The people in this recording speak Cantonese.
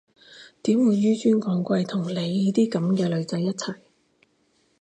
點會紓尊降貴同你啲噉嘅女仔一齊？